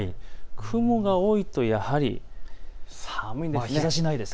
雲が多いとやはり寒いんです。